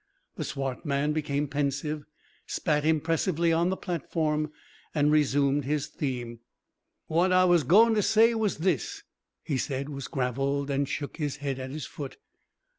The swart man became pensive, spat impressively on the platform, and resumed his theme. "Whad I was going to say was this," he said; was gravelled, and shook his head at his foot.